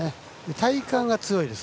体幹が強いです。